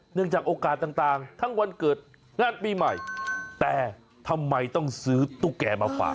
เนื่องจากโอกาสต่างทั้งวันเกิดงานปีใหม่แต่ทำไมต้องซื้อตุ๊กแก่มาฝาก